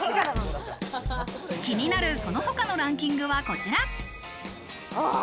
気になるその他のランキングはこちら。